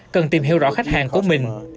cần tìm hiểu rõ khách hàng của mình